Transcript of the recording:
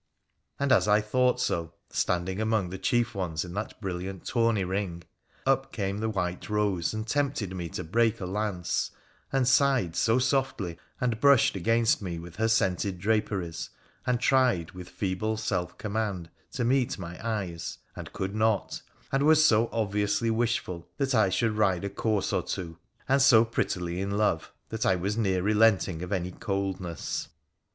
And as I thought so, standing among the chief ones in that brilliant tourney ring, up came the white rose and tempted me to break a lance, and sighed so softly and brushed against me with her scented draperies, and tried with feeble self command to meet my eyes and could not, and was so obviously wishful that I should ride a coursft or two, and so prettily in love, that I was near relenting of my coldness.